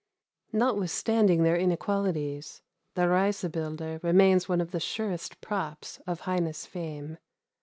Notwithstanding their inequalities, the Reisebilder remain one of the surest props of Heine's fame.